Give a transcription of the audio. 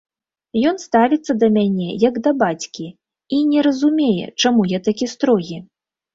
Ён ставіцца да мяне, як да бацькі і не разумее, чаму я такі строгі.